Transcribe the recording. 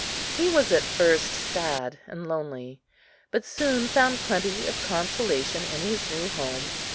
He was at first sad and lonely, but soon found plenty of consolation in his new home.